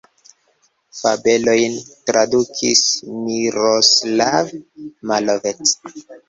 Fabelojn tradukis Miroslav Malovec.